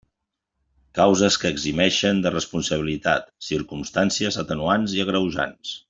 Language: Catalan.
Causes que eximeixen de responsabilitat: circumstàncies atenuants i agreujants.